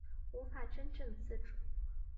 无法真正自主